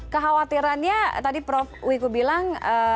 kekhawatirannya tadi prof wiku bilang